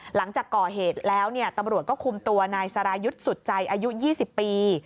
หลังจากก่อเหตุแล้วตำรวจก็คุมตัวนายสรายุทธ์สุดใจอายุ๒๐ปี